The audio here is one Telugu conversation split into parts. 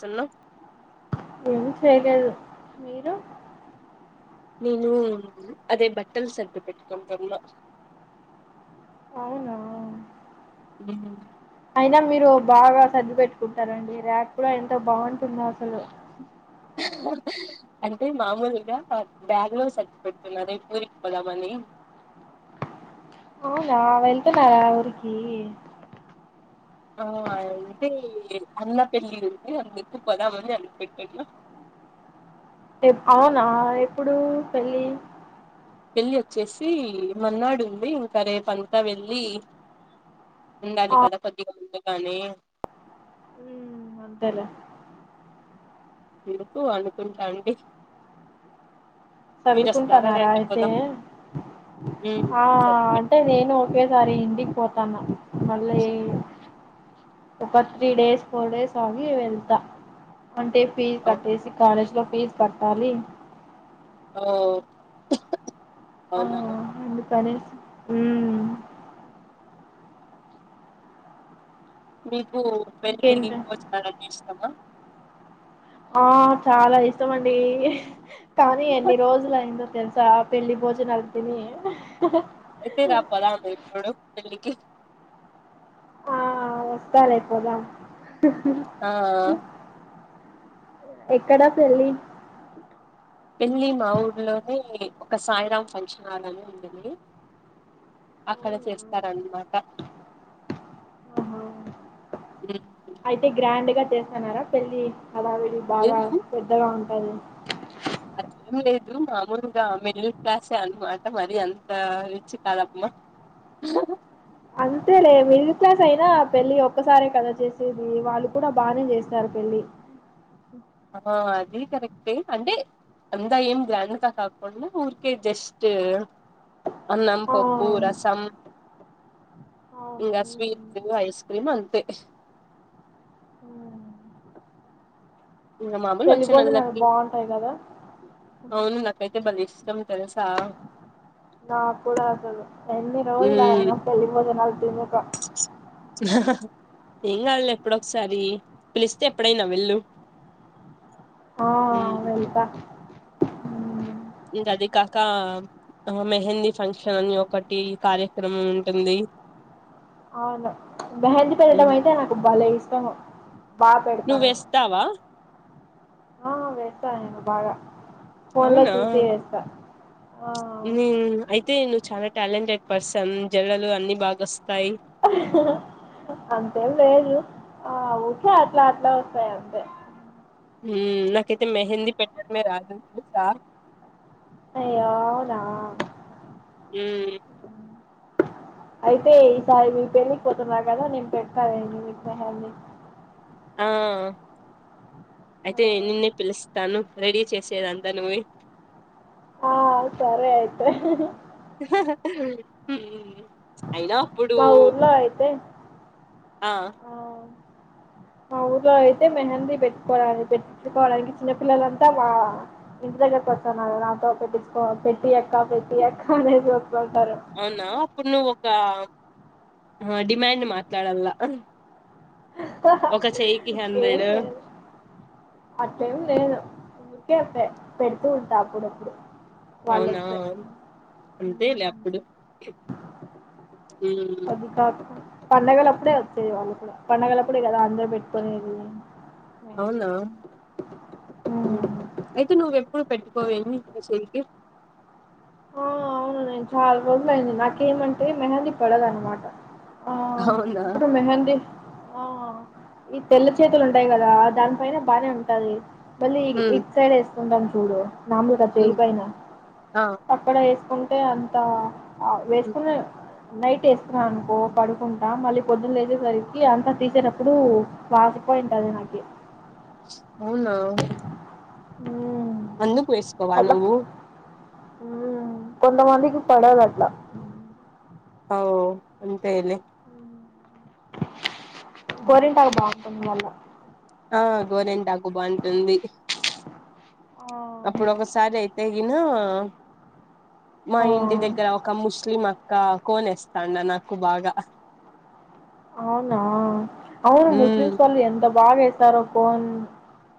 సున్న చేయ్లేదు మీరు నేను అదే బట్టలు సర్ది పెట్టుకుంటున్న అవునా ఉ అయినా మీరు బాగా సర్ది పెట్టుకుంటారండి ర్యాక్ కూడా ఎంత బాగుంటుందో అసలు అంటే మామూలుగా బ్యాగ్లోనే సర్ది పెట్తున్నా రేప్ ఉరికి పోదామని అవునా వెళ్తున్నారా ఊరికి ఆ ఎళ్తి అన్న పెళ్ళి ఉంది అందుకు పోదామని అనుకుంటున్న ఎప్ అవునా ఎప్పుడు పెళ్ళి వెళ్ళి వచ్చేసి మన్నాడు ఉంది ఇంకా రేపు అంతా వెళ్లి ఆ, ఉండాలి కదా కొద్దిగా ముందుగానే మ్మ్, అంతేలే ఎందుకు అనుకుంటాండి సర్దుకుంటన్నారా అయితే ఉమ్ ఆ సర్ది అంటే నేను పెట్టుకుంటాను ఒకేసారి ఇంటికి పోతాను మళ్ళ ఎ ఒక త్రీ డేస్ ఫోర్ డేస్ ఆగి వెళ్తా అంటే ఫీజు అవును కట్టేసి కాలేజ్ లో ఫీజు కట్టాలి హా ఆ అందుకనేసి ఉమ్ మీకు పెళ్ళిళ ఇంకేంటి భోజనాలు అంటే ఇష్టమా ఆ చాలా ఇష్టమండి కానీ ఎన్ని రోజులు అయిందో తెలుసా పెళ్ళి భోజనాలు తిని ఎయితే రా పోదాం ఇప్పుడు పెళ్ళికి ఆ వస్తాలే పోదాం ఆ ఎక్కడ పెళ్ళి పెళ్ళి మా ఊర్లోనే ఒక సాయిరాం ఫంక్షన్ హాల్ అని ఉంటుంది అక్కడ అవునా? చేస్తారన్నమాట ఆహా ఉమ్ అయితే గ్రాండ్ గా చేస్తున్నారా పెళ్ళి హడవిడి బాగా పెద్దగా ఉ అది అ ఏం లేదు మామూలుగా మిడిల్ క్లాస్ ఎ అన్నమాట మరి అంత రిచ్ కాదమ్మా అంతేలే మిడిల్ క్లాస్ అయినా పెళ్ళి ఒక్కసారే కదా చేసేది వాళ్ళు కూడా బానే చేస్తారు పెళ్లి ఆ అది కరెక్టే అంటే అంతా ఏం గ్యాండ్ గా కాకుండా ఊర్కే జస్ట్ అన్నం ఆ పప్పు రసం అవును ఇంకా ఉమ్. స్వీట్లు ఐస్ క్రీమ్ అంతే హా ఇంకా మామూలు వచ్చింన భోజనాలు అందరికి బాగుంటాయి కదా అవును నాకైతే అ బలే ఇష్టం తెలుసా నాకుడా అసలు ఎన్ని రోజులయనో ఉమ్. పెళ్ళి బోజనాలు తినకా ఏం కాదులే ఎప్పుడొ ఒకసారి పిలిస్తే ఎప్పుడైనా వెళ్ళు ఆ వెళ్తా ఉమ్, ఇంకా అది కాక మెహందీ ఫంక్షన్ అని ఒకటి కార్యక్రమం ఉంటుంది అవును మెహందీ పెట్టడం అయితే నాకు బలే ఇష్టంము బాగా నువ్వు పెడతానేను వేస్తావా ఆ వేస్తా నేను బాగా ఫోన్లో అవునా చూసి వేస్తా ఆ న అయితే నువ్వు చాల టాలెంటెడ్ పర్సన్ జడలు అన్ని బాగా వస్తాయి అంతేం లేదు ఆ ఊకే అట్లా అట్లా వస్తాయి అంతే ఉమ్ నాకైతే మెహందీ పెట్టడమే రాదు తెలుసా అయ్యే రామ ఉమ్ అయితే ఈసారి మీ పెళ్ళికిపోతున్నారు కదా నేను పెడతాను మీకు మెహంది ఆ ఆ అయితే నిన్నే పిలుస్తాను రెడీ చేసేదంతా నువ్వే ఆ సరే అయితే అయినా అప్పుడు మా ఊర్లో అయితే ఆ మా ఊర్లో అయితే మెహంది పెట్టుకోవడానికి పెట్ట్టుకోవడానికి చిన్నపిల్లలంతా మా ఇంటి దగ్గర కి వస్తన్నారు నాతో పెట్టించుకో పెట్టియి అక్క పెట్టియి అక్క అనేది అవునా అప్పుడు నువ్వు ఒక డిమాండ్ మాట్లాడలా ఏం లేదు అట్లేం లేదు పెడుతు ఉంటా అప్పుడప్పుడు వాళ్ళు అవునా వస్తే అంతే లే అప్పుడు మ్మ్ అది కాదు పండగల అప్పుడే వచ్చేది వాళ్ళు కూడా పండగల అప్పుడే కదా అందరు పెట్టుకునేది అవునా మెహందీ అయితే నువ్వెప్పుడు పెట్టుకోవేమీ నీ చెయ్యి కి ఆ అవును నేను చాలా రోజులు అయింది నాకేమంటే మెహందీ పడదన్నమాట ఆ అవునా ఇప్పుడు మెహందీ ఆ ఈ తెల్ల చేతులు ఉంటాయి కదా దాని పైన బానే ఉంటది మళ్ళీ మ్మ్ ఇటు సైడ్ వేస్కుంటాము చూడు నార్మల్ గా చెయ్యి మ్మ్ పైన ఆ వేసుకుంటే అంత ఉమ్ వేసుకునే నైట్ వేసుకున్నా అనుకో పడుకుంటా మళ్ళీ పొద్దు లేచేసరికి అంతా తీసేటప్పుడు వా పోయింటది నాకి అవునా హ్మ్. అందుకు వేసుకోవా అట్లా నువ్వు కొంతమందికి పడదుఅట్ల అవ్ అంతే లే గోరింటాకు బావుంటుంది మల్ల ఆ గోరెంటాకు బావుంటుంది అప్పుడు ఒకసారి అయితేగిన మా ఆ ఇంటి దగ్గర ఒక ముస్లిం అక్క కోనేస్తాఉండే నాకు బాగా అవునా అవును మ్మ్ ముస్లిమ్ నోళ్ళు ఎంత బాగా బాగ వేస్తారో కోన్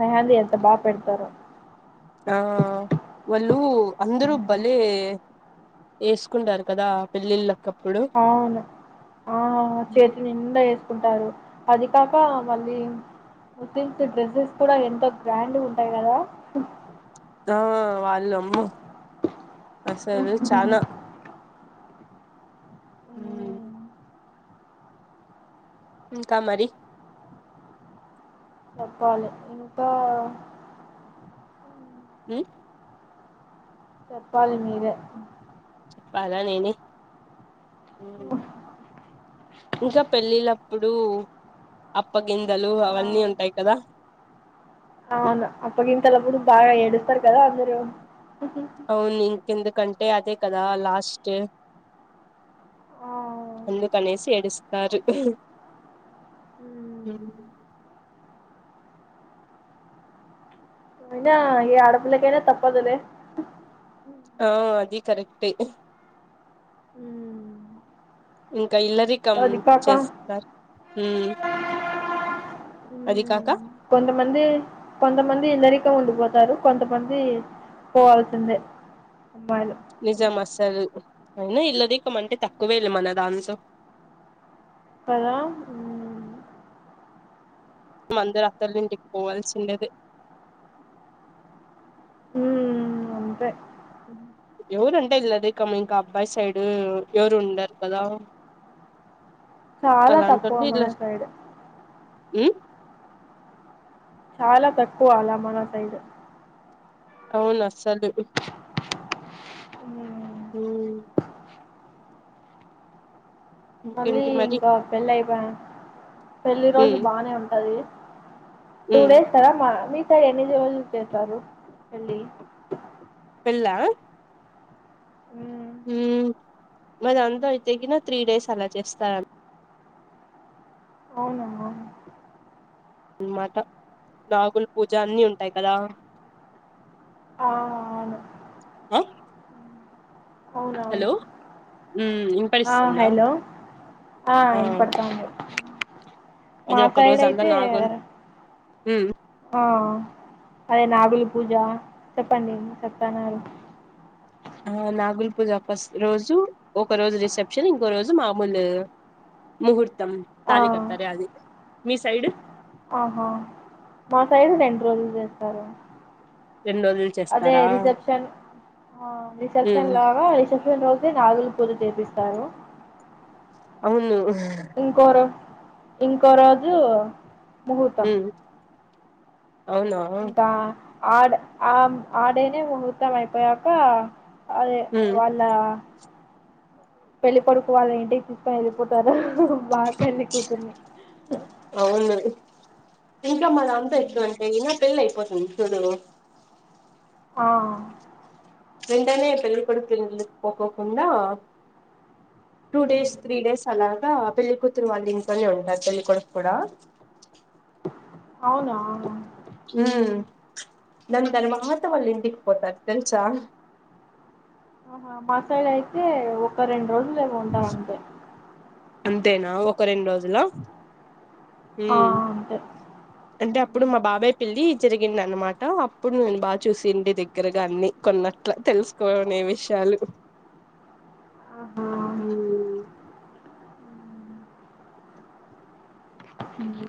మెహందీ ఎంత బాగా పెడతారో ఆ వాళ్ళు అందరూ భలే వేసుకుంటారు కదా పెళ్ళిళ్ళకి అవును ఆ చేతి నిండా వేసుకుంటారు అది కాకా మళ్ళీ కుట్టించే డ్రెస్సెస్ కూడా ఎంత గ్రాండ్ గా ఉంటాయి కదా ఆ వాళ్ళు అమ్మో అసలు చానా హు మ్ మ్మ్. ఇంకా మరి చెప్పాలి ఇంకా ఉ చెప్పాలి మీరే చెప్పాలా నేనే ఇంకా పెళ్ళిళ్ళకి అప్పుడు అప్పగింతలు ఆ అవన్నీ ఉంటాయి కదా అవును అప్పగింతలప్పుడు బాగా ఏడుస్తారు కదా అందరు అవును ఇంకెందుకంటే అదే కదా లాస్ట్ ఆ అందుకనేసి ఏడుస్తారు అ మ్మ్. అయినా ఏ ఆడపిలకైనా తప్పదులేే ఆవ్ అది కరెక్టే ఉ ఇక ఇల్లారికం కాక చేస్తారు ఉ ఉ కొంతమంది కొంతమంది ఇల్లారి తో ఉండిపోతారు కొంతమంది పోవాల్సిందే అమ్మాయిలు నిజం అసల్ అయినా ఇల్లారికమంటే తక్కువేలే మన దాంతో ఇదా ఉ మందరు అత్తోలింటికి పోవల్సిండేదే ఉ అంతే ఊరు అంటే ఇల్లరికం ఇంకా అబ్బాయి సైడు ఎవరు ఉండారు కదా. చాలా తక్కువ మన సైడు ఉ చాలా తక్కువ అలా మన సైడ్ అవును అస్సలు ఉ ఉ మళ్ళీ ఇంకేంటి మరి ఇంకా పెళ్లి అయిప్య పెళ్లిి రోజు ఉమ్ బానే ఉంటది టూ ఉమ్ డేస్ కదా మా మీ సైడ్ ఎన్ని రోజులు చేస్తారు పెళ్ళి. పెళ్లా ఉ ఉ మాది అంతా అయితేగినా త్రీ డేస్ అలా చేస్తార అవునా అనమాట నాగుల పూజ అన్ని ఉంటాయి కదా ఆ! అవును. ఆ అవునవును హలో ఉమ్ ఆ వినపడిస్తుందా హలో ఆ వినపడతాంది అదే ఒక రోజు అంతా నాగుల్ ఉ ఆ అదే నాగులు పూజ చెప్పండి ఏమో చెప్తాన్నారు. ఆ నాగుల్ పూజ ఫస్ట్ రోజు ఒక రోజు రిసెప్షన్ ఇంకో రోజు మామూలు ముహూర్త్ ఆ సైడ్ ఆహా మా సైడు రెండ్ రోజులు చేస్తారు రెండు రోజులు అదే చేస్తారా రిసెప్షన్ ఆ రిసెప్షన్ ఉమ్ లాగా రిసెప్షన్ రోజు దే నాగులు పూజ చేపిస్తారు అవును ఇంకో రో ఇంకో రోజు ముహూర్తం ఉమ్ అవునా ఆడ్ ఆ ఆ డేనే ముహూర్తం అయిపోయాక అదే ఉమ్ వాళ్ళ పెళ్లిి కొడుకు వాళ్ల ఇంటికి తీసుకొని వెళ్ళిపోతారుా బాగా పెళ్ళి కూతుర్ని. అవును ఇంకా మా దాంట్లో ఎక్కడంటేగినా అంతా పెళ్లిి అయిపోతుంది చూడు ఆ వెంటనే పెళ్ళికొడుకు ఇళ్ళకి పోకోకుండా two um. Days three days అలా ఇంకా పెళ్లి కూతురు వాళ్ళు ఇంట్లోనే ఉంటారు పెళ్లికుడుకు కూడా అవునా అవును ఉమ్ దని మాతంళ్ళింటి పోతారు తెలుసా ఆహా మాసెండ్ అయితే ఒక రెండు రోజులులా ఉంటారు అంతే అంతేనా ఒక రెండు రోజులా ఆ అంతే అంటే అప్పుడు మా బాబాయ్ పెళ్లి జరిగింది అన్నమాట అప్పుడు నేను బాగా చూసిడి దగ్గరగా అన్ని కొన్నా అట్లా తెలుసుకోనే విషయాలు ఆహా ఉ ఉమ్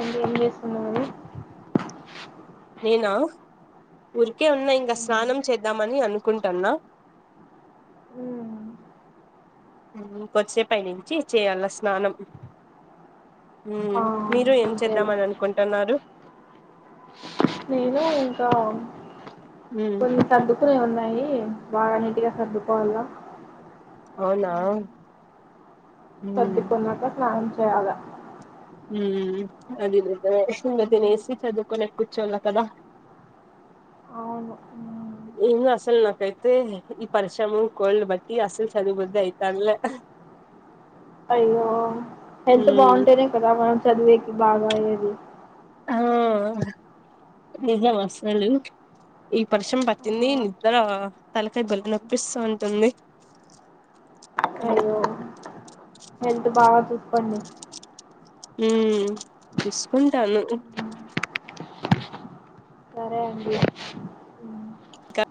అంటంట ఎంసున్నరేని నా ఊరికే ఉన్నా ఇంకా ఉమ్. స్నానం చేద్దామని అనుకుటాన్నా ఉహ్ కొ వచ్చే పై నుంచి చేయాల స్నానం ఆ మీరు ఏం అంతేలే చేద్దామని అనుకుంటున్నారు నేను ఇంకా మ్మ్ కొన్ని తగ్గు కునే ఉన్నాయి బాగా నీటగా సర్దుకోవాల అవునా మ్మ్ సర్దికున్నాక స్నానం చేయాల హ అది నిజమే సంగతని ఎసి చదుకోనే కుచ్చోల కదా అవును ఉమ్. ఇను అసలు నాకైతే ఈ పరిశ్రమ కోల్ బట్టి అసలు చదు బుద్ధ అయిత లే అయ్యో హెల్త్ మ్మ్ బాగుంటేనే కదా మనం చదివేకి బాగా అయ్యేది ఆ నిజం అసలు ఈ వర్షం ఆ, పట్టింది నిద్ర తలకాయ బెల నొప్పిస్తూ ఉంటుంది అయ్యో ఉమ్ హెల్త్ బాగా చూసుకోండి ఉ చూసుకుంటాను సరేండి ఇంకా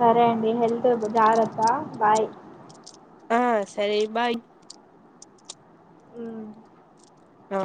సరే అండి హెల్త్ జాగ్రత్త బాయ్ ఆ సరే బాయ్ ఉమ్. అ